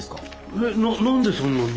えっ何でそんなに。